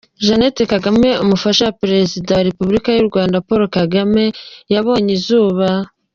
Jeanette Kagame, umufasha wa perezida wa Repubulika y’u Rwanda, Paul Kagame yabonye izuba.